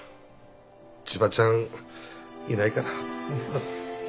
千葉ちゃんいないから。